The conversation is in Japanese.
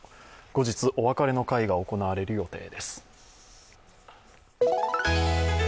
後日、お別れの会が行われる予定です。